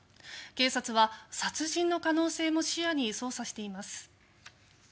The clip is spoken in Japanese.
警察は殺人の可能性も視野に捜査しています。